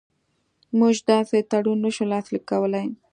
موږ داسې تړون نه شو لاسلیک کولای.